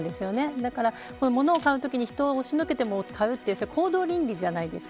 だから、物を買うときに人を押しのけても買うという行動倫理じゃないですか。